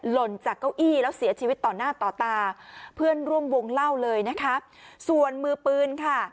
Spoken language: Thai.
หล่นจากเก้าอี้แล้วเสียชีวิตต่อหน้าต่อตาเพื่อนร่วมวงเล่าเลยนะคะส่วนมือปืนค่ะ